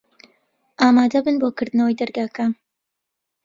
ئامادە بن بۆ کردنەوەی دەرگاکان.